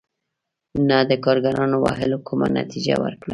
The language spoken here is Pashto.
نه د کارګرانو وهلو کومه نتیجه ورکړه.